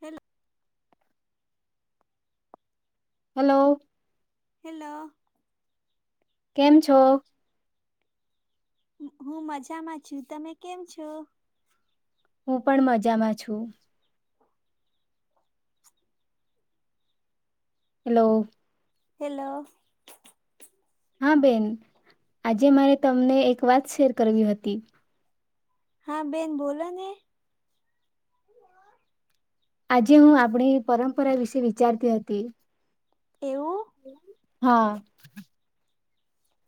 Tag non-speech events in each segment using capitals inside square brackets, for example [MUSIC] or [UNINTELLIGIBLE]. Hello. Hello. Hello. કેમ છો? હું મજામાં છું. તમે કેમ છો? હું પણ મજામાં છું. હેલો. હેલો. હા, બેન આજે મારે તમને એક વાત શેર કરવી હતી. હા બેન બોલો ને. [INAUDIBLE] આજે હું આપણી પરંપરા વિશે વિચારતી હતી. એવું. હા.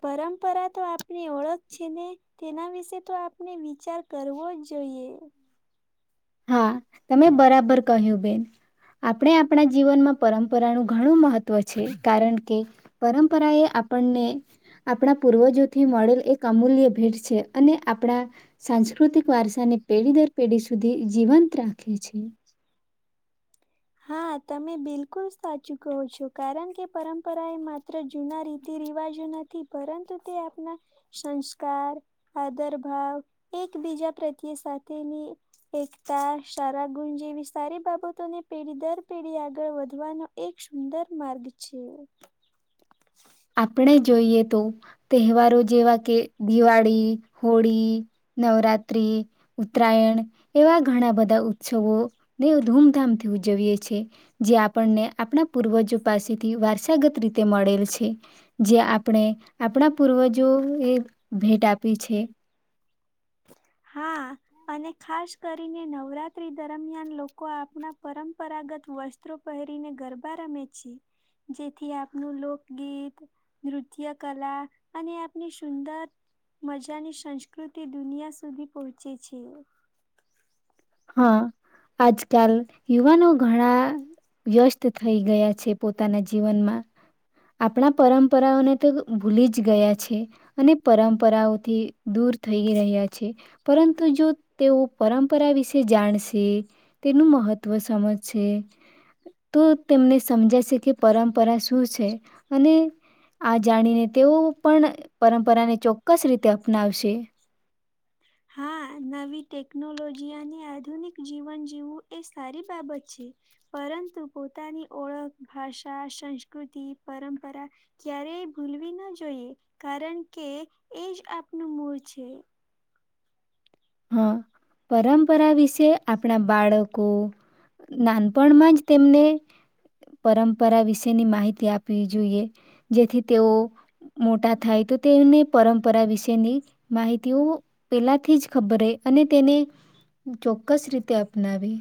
પરંપરા તો આપની ઓળખ છે ને તેના વિશે તો આપણે વિચાર કરવો જ જોઈએ. હા, તમે બરાબર કહ્યું બેન. આપણે આપણા જીવનમાં પરંપરાનું ઘણું મહત્વ છે. કારણ કે પરંપરા એ આપણને આપણા પૂર્વજોથી મળેલ એક અમૂલ્ય ભેટ છે અને આપણા સાંસ્કૃતિક વારસાને પેઢી દર પેઢી સુધી તે જીવંત રાખે છે. હા, તમે બિલકુલ સાચું કહો છો કારણ કે પરંપરા એ માત્ર જૂના રીતિ રિવાજો નથી. પરંતુ તે આપણા સંસ્કાર, આદર ભાવ, એકબીજા પ્રત્યે સાથેની એકતા, સારા ગુણ જેવી સારી બાબતોને પેઢી દર પેઢી આગળ વધવાનો એક સુંદર માર્ગ છે. આપણે જોઈએ તો તહેવારો જેવા કે દિવાળી, હોળી, નવરાત્રી, ઉત્તરાયણ એવા ઘણા બધા ઉત્સવો ને ધૂમધામથી ઉજવીએ છે જે આપણને આપણા પૂર્વજો પાસેથી વારસાગત રીતે મળેલ છે. જે આપણે આપણા પૂર્વજોએ ભેટ આપી છે. હા, અને ખાસ કરીને નવરાત્રી દરમિયાન લોકો આપણા પરંપરાગત વસ્ત્રો પહેરીને ગરબા રમે છે. જેથી આપનું લોકગીત, નૃત્યકલા અને આપની સુંદર મજાની સંસ્કૃતિ દુનિયા સુધી પહોંચી છે. હા, આજકાલ યુવાનો ઘણા વ્યસ્ત થઈ ગયા છે પોતાના જીવનમાં આપણા પરંપરાઓને તો ભૂલી જ ગયા છે. અને પરંપરાઓથી દૂર થઈ રહ્યા છે. પરંતુ જો તેઓ પરંપરા વિશે જે જાણશે, તેનું મહત્વ સમજશે, તો તેમને સમજાશે કે પરંપરા શું છે? અને આ જાણીને તેઓ પણ પરંપરાને ચોક્કસ રીતે અપનાવશે. હા, નવી ટેકનોલોજી અને આધુનિક જીવન જીવવું એ સારી બાબત છે. પરંતુ પોતાની ઓળખ, ભાષા સંસ્કૃતિ, પરંપરા ક્યારેય ભૂલવી ન જોઈએ કારણ કે એજ આપનું મૂળ છે. હા, પરંપરા વિશે આપણા બાળકો નાનપણમાં જ તેમને પરંપરા વિશેની માહિતી આપવી જોઈએ. જેથી તેઓ મોટા થાય તો તેઓને પરંપરા વિશેની માહિતીઓ પેલાથી જ ખબરે અને તેને ચોક્કસ રીતે અપનાવે.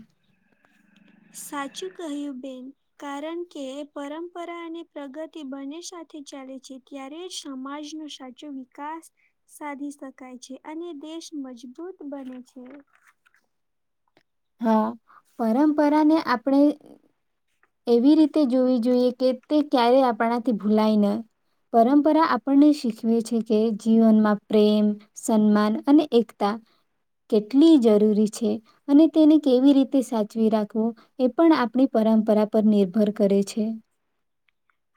સાચું કહ્યું બેન. કારણ કે, પરંપરા અને પ્રગતિ બંને સાથે ચાલે છે ત્યારે સમાજનો સાચો વિકાસ સાધી શકાય છે. અને દેશ મજબૂત બને છે. હા, પરંપરા ને આપણે એવી રીતે જોવી જોઈએ કે તે ક્યારે આપણાથી ભૂલાય ન, પરંપરા આપણને શીખવે છે કે જીવનમાં પ્રેમ, સન્માન અને એકતા કેટલી જરૂરી છે અને તેને કેવી રીતે સાચવી રાખવું એ પણ આપણી પરંપરા પર નિર્ભર કરે છે.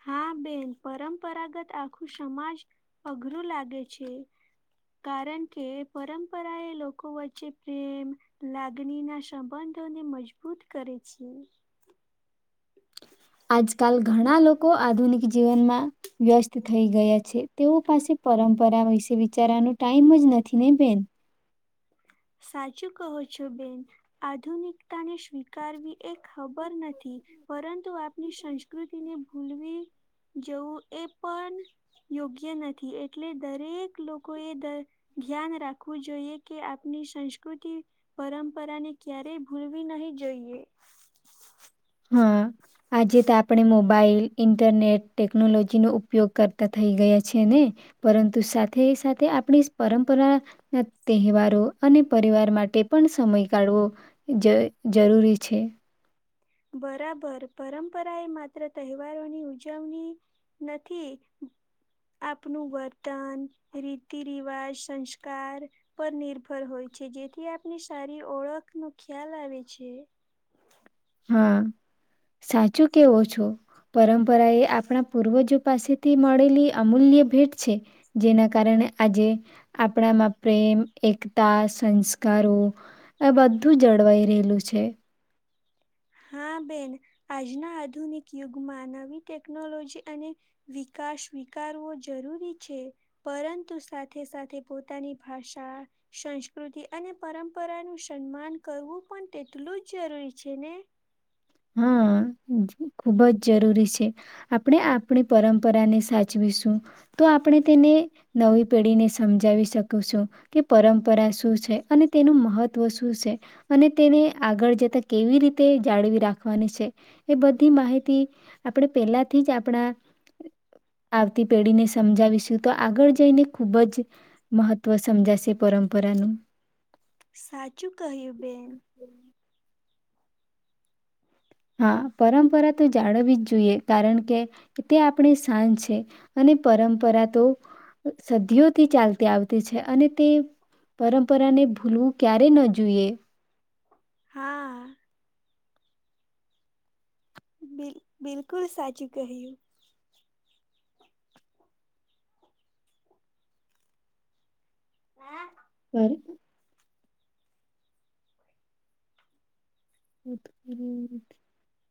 હા બેન પરંપરાગત આખું સમાજ અઘરું લાગે છે, કારણ કે પરંપરા એ લોકો વચ્ચે પ્રેમ, લાગણીના સંબંધોને મજબૂત કરે છે. આજકાલ ઘણા લોકો આધુનિક જીવનમાં વ્યસ્ત થઈ ગયા છે, તેઓ પાસે પરંપરા વિશે વિચારાનો ટાઈમ જ નથી ને બેન. સાચું કહો છો બેન આધુનિકતાને સ્વીકારવી એ ખબર નથી, પરંતુ આપની સંસ્કૃતિને ભૂલવી જવું એ પણ યોગ્ય નથી એટલે દરેક લોકો એ ધ્યાન રાખવું જોઈએ કે ની સંસ્કુટિ પરંપરાને ક્યારેય ભૂલવી નહી જઈએ. હા, આજે તો આપણે મોબાઈલ, ઇન્ટરનેટ ટેકનોલોજીનો ઉપયોગ કરતાં થઈ ગયા છેને, પરંતુ સાથે સાથે આપણી પરંપરાના તહેવારો અને પરિવાર માટે પણ સમય કાઢવો જ જરૂરી છે. બરાબર, પરંપરા એ માત્ર તહેવારોની ઉજવણી નથી આપનું વર્તન રીતિ રિવાજ સંસ્કાર પર નિર્ભર હોય છે જેથી આપની સારી ઓળખ ન ખ્યાલ આવે છે. હા, સાચું કેવો છો પરંપરા એ આપણા પૂર્વજો પાસેથી મળેલી અમૂલ્ય ભેટ છે, જેના કારણે આજે આપણામાં પ્રેમ, એકતા, સંસ્કારો, આ બધું જળવાઈ રહેલું છે. હા, બેન આજના આધુનિક યુગમાં નવી ટેકનોલોજી અને વિકાસ સ્વીકારવો જરૂરી છે પરંતુ સાથે સાથે પોતાની ભાષા સંસ્કૃતિ અને પરંપરાનું સન્માન કરવું પણ તેટલું જ જરૂરી છેને? હાં, ખુબ જ જરૂરી છે, આપણે આપણી પરંપરાને સાચ ચવીશું તો આપણે તેને નવી પેઢીને સમજાવી શકું છું, કે પરંપરા શું છે અને તેનું મહત્ત્વ શું છે અને તેને આગળ જતાં કેવી રીતે જાળવી રાખ ખની છે, એ બધી માહિતી આપણે પેલાથી જ આપણા આવતી પેઢીને સમજાવીશું, તો આગળ જઈને ખૂબ જ મહત્વ સમજાશે પરંપરાનું. સાચું કહ્યું, બેન. હા, પરંપરા તો જાળવી જ જોઈએ કારણ કે તે આપણે શાન છે અને પરંપરા તો સદીઓથી ચાલતી આવતી છે અને તે પરંપરાને ભૂલવું ક્યારે ન જોઈએ. હા. બિલ બિલકુલ સાચું કહ્યું. હા. પર. [UNINTELLIGIBLE]